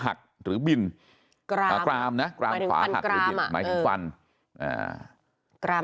หักหรือบินกรามนะกรามขวาหักหรือบิดหมายถึงฟันกราม